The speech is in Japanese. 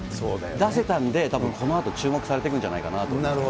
出せたんで、たぶんこのあと注目されていくんじゃないかと思いますね。